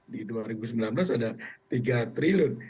di dua ribu sembilan belas ada tiga triliun